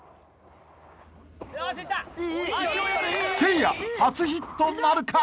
［せいや初ヒットなるか？］